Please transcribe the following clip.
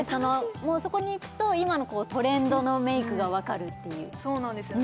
もうそこに行くと今のトレンドのメイクが分かるっていうそうなんですよね